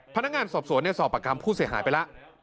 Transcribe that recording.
พนักงานสอบสวนสอบประคำผู้เสียหายไปแล้ว